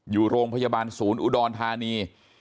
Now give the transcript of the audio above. อยู่โรงพยาบาลศูนย์อุดรธานี